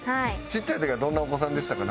ちっちゃい時はどんなお子さんでしたか？